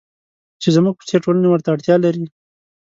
چې زموږ په څېر ټولنې ورته اړتیا لري.